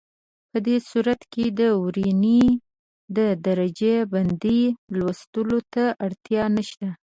په دې صورت کې د ورنيې د درجه بندۍ لوستلو ته اړتیا نشته.